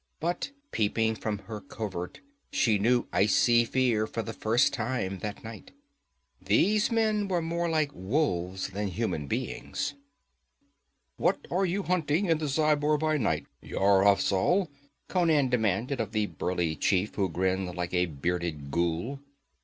But peeping from her covert, she knew icy fear for the first time that night. These men were more like wolves than human beings. 'What are you hunting in the Zhaibar by night, Yar Afzal?' Conan demanded of the burly chief, who grinned like a bearded ghoul.